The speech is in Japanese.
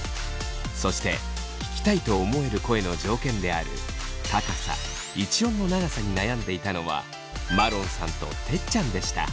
そして聞きたいと思える声の条件である高さ・一音の長さに悩んでいたのはまろんさんとてっちゃんでした。